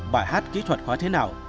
bài hát kỹ thuật khóa thế nào